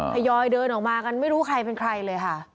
ยอยเดินออกมากันไม่รู้ใครเป็นใครเลยค่ะ